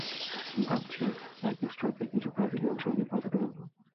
ভাবছি অর্কেস্ট্রাকে কিছু ব্রাজিলিয়ান সঙ্গীত বাজাতে বলব।